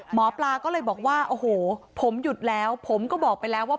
หมอปลาก็เลยบอกว่าโอ้โหผมหยุดแล้วผมก็บอกไปแล้วว่า